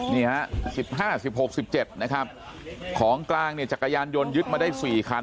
สิบห้าสิบห้าสิบหกสิบเจ็ดนะครับของกลางเนี่ยจักรยานยนต์ยึดมาได้สี่คัน